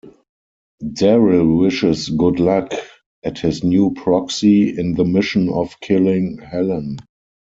Daryll wishes "good luck" at his new proxy in the mission of killing Helen.